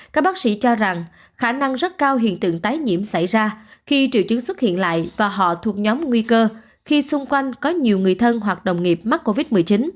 các bác sĩ cho rằng khả năng rất cao hiện tượng tái nhiễm xảy ra khi triệu chứng xuất hiện lại và họ thuộc nhóm nguy cơ khi xung quanh có nhiều người thân hoặc đồng nghiệp mắc covid một mươi chín